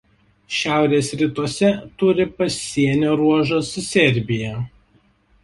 Šiaurės rytuose turi pasienio ruožą su Serbija.